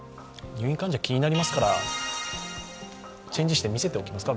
入院患者、気になりますから、チェンジして見せておきますか。